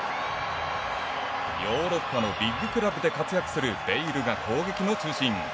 ヨーロッパのビッグクラブで活躍するベイルが攻撃の中心。